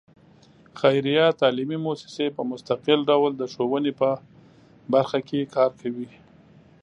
خیریه تعلیمي مؤسسې په مستقل ډول د ښوونې په برخه کې کار کوي.